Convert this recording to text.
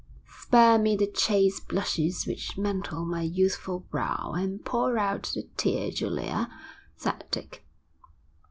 'Spare me the chaste blushes which mantle my youthful brow, and pour out the tea, Julia,' said Dick.